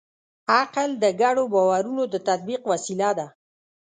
عقل د ګډو باورونو د تطبیق وسیله ده.